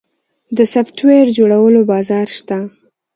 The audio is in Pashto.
د سافټویر جوړولو بازار شته؟